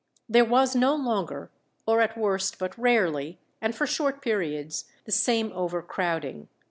There was no longer, or at worst but rarely, and for short periods, the same overcrowding.